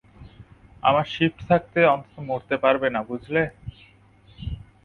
আমার শিফট থাকতে অন্তত মরতে পারবে না, বুঝলে?